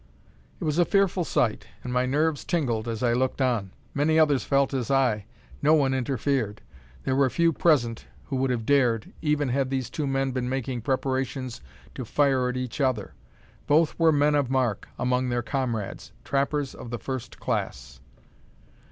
It was a fearful sight, and my nerves tingled as I looked on. Many others felt as I. No one interfered. There were few present who would have dared, even had these two men been making preparations to fire at each other. Both were "men of mark" among their comrades: trappers of the first class.